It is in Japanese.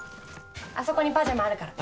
あそこにパジャマあるから。